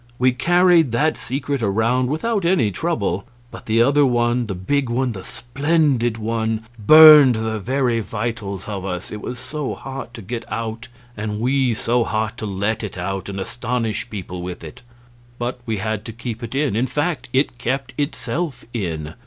We carried that secret around without any trouble, but the other one, the big one, the splendid one, burned the very vitals of us, it was so hot to get out and we so hot to let it out and astonish people with it. But we had to keep it in; in fact, it kept itself in.